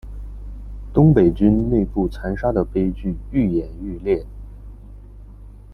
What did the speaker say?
东北军内部残杀的悲剧愈演愈烈。